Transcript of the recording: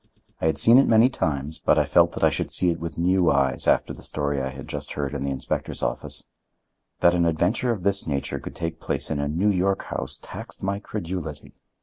I had seen it many times, but I felt that I should see it with new eyes after the story I had just heard in the inspector's office. That an adventure of this nature could take place in a New York house taxed my credulity.